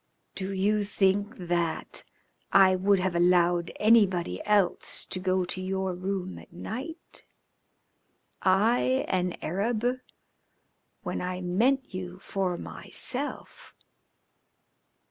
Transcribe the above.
"Do you think that I would have allowed anybody else to go to your room at night? I, an Arab, when I meant you for myself?"